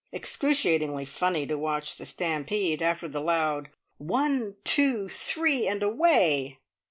Excruciatingly funny to watch the stampede, after the loud "One two three and away!"